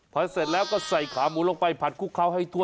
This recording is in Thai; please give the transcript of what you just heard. พอเสร็จแล้วก็ใส่ขาหมูลงไปผัดคลุกเคล้าให้ทั่ว